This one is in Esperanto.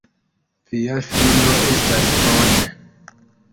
Via filo estas bone.